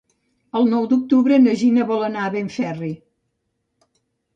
El nou d'octubre na Gina vol anar a Benferri.